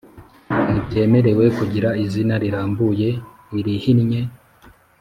ntibyemerewe kugira izina rirambuye irihinnye